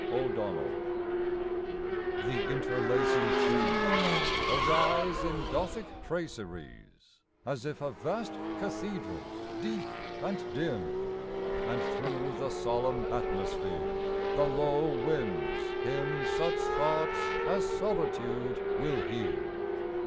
O'Donnell) The interlacing trees Arise in Gothic traceries, As if a vast cathedral deep and dim; And through the solemn atmosphere The low winds hymn Such thoughts as solitude will hear.